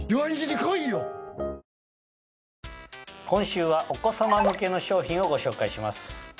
今週はお子様向けの商品をご紹介します。